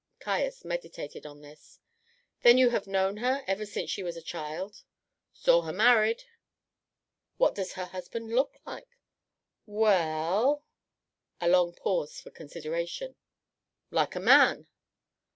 Caius meditated on this. "Then, you have known her ever since she was a child?" "Saw her married." "What does her husband look like?" "Well" a long pause of consideration "like a man."